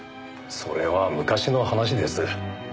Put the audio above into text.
それは昔の話です。